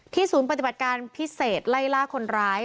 ศูนย์ปฏิบัติการพิเศษไล่ล่าคนร้าย